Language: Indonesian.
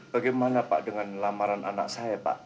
bagaimana pak dengan lamaran anak saya pak